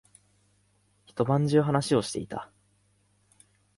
一晩中話をしていた。